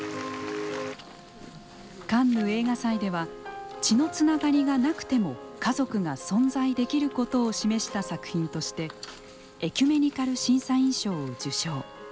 カンヌ映画祭では血のつながりがなくても家族が存在できることを示した作品としてエキュメニカル審査員賞を受賞。